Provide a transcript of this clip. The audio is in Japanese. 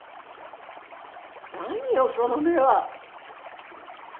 何よその目は。